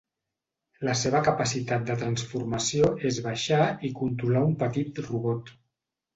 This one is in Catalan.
La seva capacitat de transformació és baixar i controlar un petit robot.